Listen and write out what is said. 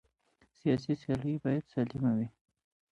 سیاسي سیالۍ باید سالمه وي